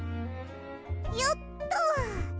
よっと。